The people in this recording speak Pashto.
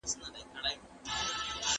موږ بايد اقتصادي شرايط برابر کړو.